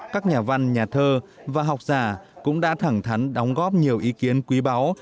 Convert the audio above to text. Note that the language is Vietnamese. các nhà văn nhà thơ và học giả cũng đã thẳng thắn đóng góp nhiều ý kiến quý báu